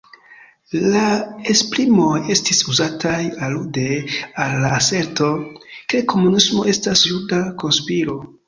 La esprimoj estis uzataj alude al la aserto, ke komunismo estas juda konspiro.